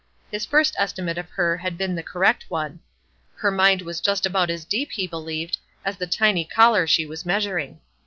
His first estimate of her had been the correct one. Her mind was just about as deep, he believed, as the tiny collar she was measuring.